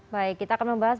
baik kita akan membahas